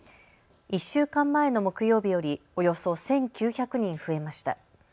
１週間前の木曜日よりおよそ１９００人増えました。